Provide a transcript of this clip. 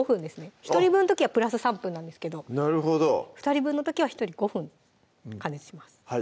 一人分の時はプラス３分なんですけどなるほど二人分の時は一人５分加熱します